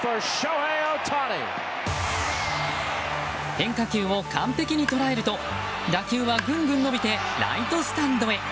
変化球を完璧に捉えると打球はぐんぐん伸びてライトスタンドへ。